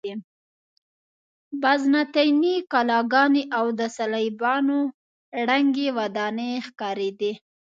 بازنطیني کلاګانې او د صلیبیانو ړنګې ودانۍ ښکارېدې.